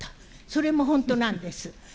それも本当なんです。